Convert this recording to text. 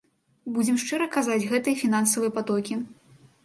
Будзем шчыра казаць, гэта і фінансавыя патокі.